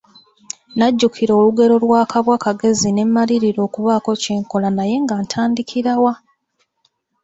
Najjukira olugero lwa kabwa kagezi ne mmalirira okubaako kye nkola naye nga ntandikira wa?